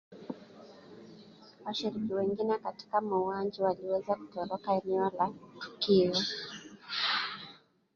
Washiriki wengine katika mauaji waliweza kutoroka eneo la tukio